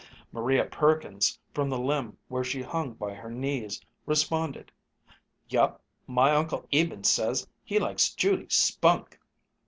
Maria Perkins, from the limb where she hung by her knees, responded, "Yup, my Uncle Eben says he likes Judy's spunk."